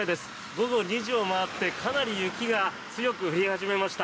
午後２時を回ってかなり雪が強く降り始めました。